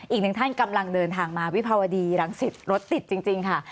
อีกหนึ่งท่านกำลังเดินทางมาวิภาวดีรังสิตรถติดจริงค่ะ